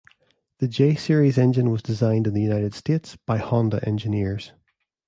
The J-series engine was designed in the United States by Honda engineers.